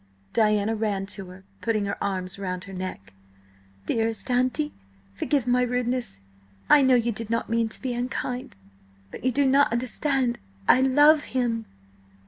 Diana ran to her, putting her arms round her neck. "Dearest auntie, forgive my rudeness! I know you did not mean to be unkind! But you do not understand–I love him."